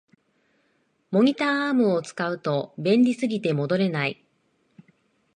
モニターアームを使うと便利すぎて戻れない